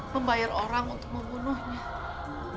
membayar orang untuk membunuhnya